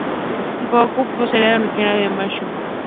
Jacobus era originario de Springfield, Massachusetts.